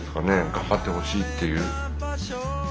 頑張ってほしいっていう。